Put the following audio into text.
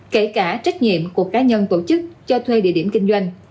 kể cả trách nhiệm của cá nhân tổ chức cho thuê địa điểm kinh doanh